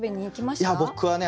いや僕はね